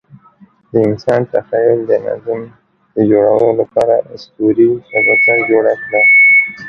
د انسان تخیل د نظم د جوړولو لپاره اسطوري شبکه جوړه کړه.